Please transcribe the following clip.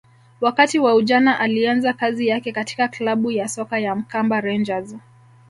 wakati wa ujana alianza kazi yake katika klabu ya soka ya Mkamba rangers